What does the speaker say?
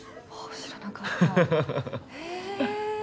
知らなかったへえ